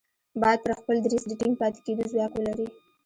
بايد پر خپل دريځ د ټينګ پاتې کېدو ځواک ولري.